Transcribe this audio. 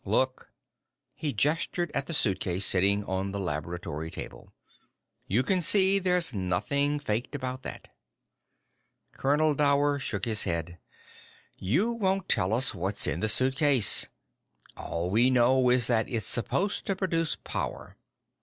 "Look." He gestured at the suitcase sitting on the laboratory table. "You can see there's nothing faked about that." Colonel Dower shook his head. "You won't tell us what's in that suitcase. All we know is that it's supposed to produce power.